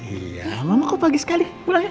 iya mama kok pagi sekali